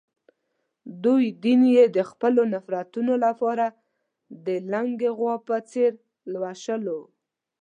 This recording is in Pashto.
دوی دین یې د خپلو نفرتونو لپاره د لُنګې غوا په څېر لوشلو.